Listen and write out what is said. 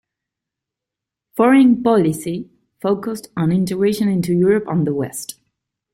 Foreign policy focused on integration into Europe and the West.